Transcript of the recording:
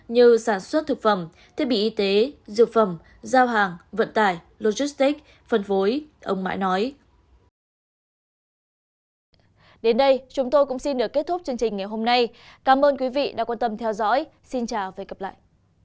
như sản xuất thực phẩm thiết bị y tế dược phẩm giao hàng vận tải logistic phân phối ông mãi nói